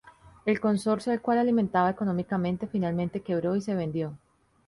El consorcio al cual alimentaba económicamente finalmente quebró y se vendió.